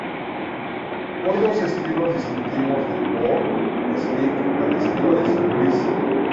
Hay dos estilos distintivos de "pork steak" al estilo San Luis.